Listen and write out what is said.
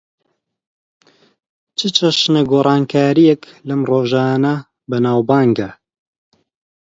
چ چەشنە گۆرانییەک لەم ڕۆژانە بەناوبانگە؟